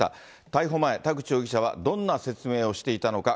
逮捕前、田口容疑者はどんな説明をしていたのか。